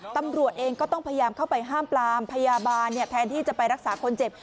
ตำรวจเองก็ต้องพยายามเข้าไปห้ามปลามพยาบาลแทนที่จะไปรักษาคนเจ็บ